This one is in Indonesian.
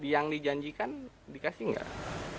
yang dijanjikan dikasih nggak